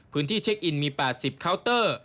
พื้นที่เช็คอินมี๘๐คาวเตอร์